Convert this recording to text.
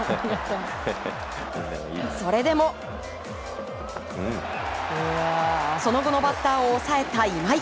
それでもその後のバッターを抑えた今井。